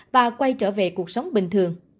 và quay trở về cuộc sống bình thường